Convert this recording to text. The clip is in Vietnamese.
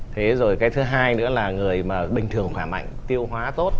thế rồi cái thứ hai nữa là người mà bình thường khỏe mạnh tiêu hóa tốt